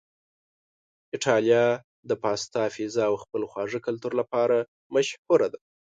ایتالیا د پاستا، پیزا او خپل خواږه کلتور لپاره مشهوره ده.